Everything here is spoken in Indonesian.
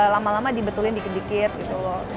lama lama dibetulin dikit dikit gitu loh